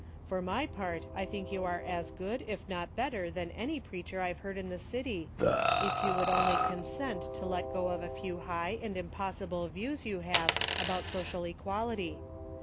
For my part, I think you are as good, if not better, than any preacher I've heard in the city, if you only would consent to let go of a few high and impossible views you have about social equality.